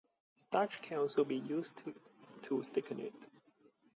Starch can also be used to thicken it.